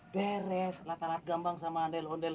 beres lata lata gambang sama andel ondel